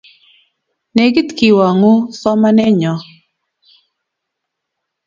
Nekit kewang'u somane nyo.